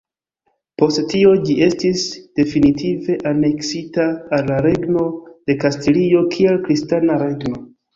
Post tio ĝi estis definitive aneksita al la Regno de Kastilio kiel kristana regno.